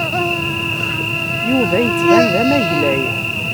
Yuba yettban d amaglay.